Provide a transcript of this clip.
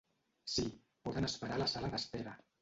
Sí, poden esperar a la sala d'espera.